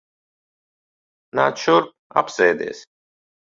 Nāc šurp. Apsēdies.